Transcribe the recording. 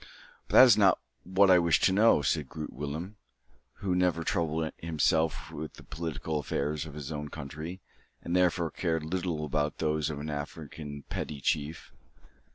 "But that is not what I wish to know," said Groot Willem, who never troubled himself with the political affairs of his own country, and therefore cared little about those of an African petty chief.